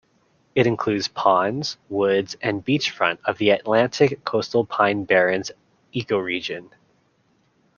It includes ponds, woods and beachfront of the Atlantic coastal pine barrens ecoregion.